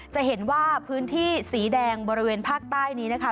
จะเห็นว่าพื้นที่สีแดงบริเวณภาคใต้นี้นะคะ